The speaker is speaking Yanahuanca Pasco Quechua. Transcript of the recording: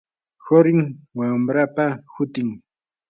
qurim wamrapa hutin.